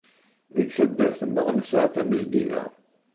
Deg taddart-nneɣ nesɛa tamezgida.